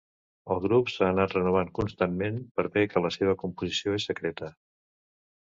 El grup s'ha anat renovant constantment, per bé que la seva composició és secreta.